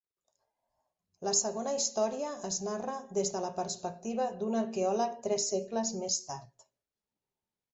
La segona història es narra des de la perspectiva d'un arqueòleg tres segles més tard.